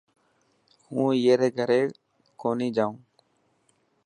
مون ائي ري گھري ڪوني جائون.